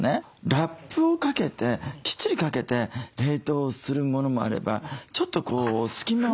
ラップをかけてきっちりかけて冷凍するものもあればちょっとこう隙間を。